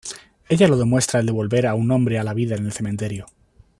Ella lo demuestra al devolver a un hombre a la vida en el cementerio.